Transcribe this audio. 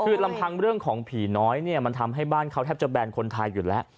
คือลำพังเรื่องของผีน้อยเนี่ยมันทำให้บ้านเขาแทบจะแบนคนไทยอยู่แล้ว